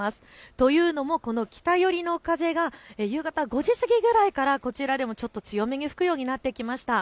というのも北寄りの風が夕方５時過ぎくらいからこちらでもちょっと強めに吹くようになってきました。